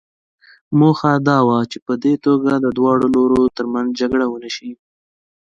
موخه دا وه چې په دې توګه د دواړو لورو ترمنځ جګړه ونه شي.